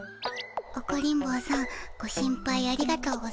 オコリン坊さんご心配ありがとうございます。